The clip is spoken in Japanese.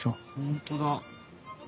本当だ。